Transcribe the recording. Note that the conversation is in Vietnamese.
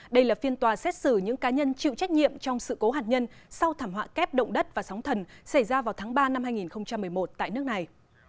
đây là phiên tòa xét xử những cá nhân chịu trách nhiệm trong sự cố hạt nhân sau thảm họa kép động đất và sóng thần xảy ra vào tháng ba năm hai nghìn một mươi một tại nước này